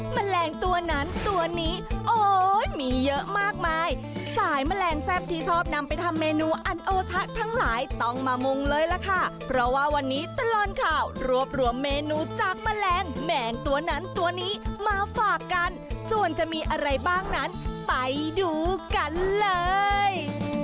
แมลงตัวนั้นตัวนี้โอ้ยมีเยอะมากมายสายแมลงแซ่บที่ชอบนำไปทำเมนูอันโอชะทั้งหลายต้องมามุงเลยล่ะค่ะเพราะว่าวันนี้ตลอดข่าวรวบรวมเมนูจากแมลงแมงตัวนั้นตัวนี้มาฝากกันส่วนจะมีอะไรบ้างนั้นไปดูกันเลย